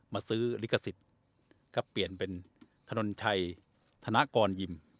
มาซื้อลิขสิทธิ์ก็เปลี่ยนเป็นถนนชัยธนกรยิม